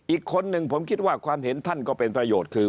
อีกคนหนึ่งผมคิดว่าความเห็นท่านก็เป็นประโยชน์คือ